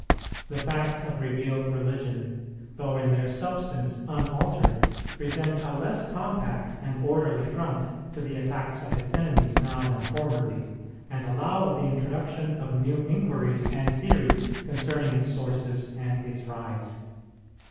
The facts of Revealed Religion, though in their substance unaltered, present a less compact and orderly front to the attacks of its enemies now than formerly, and allow of the introduction of new inquiries and theories concerning its sources and its rise.